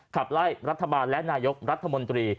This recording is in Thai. ขับไล่รัฐบาลและนายกรัฐมนตรี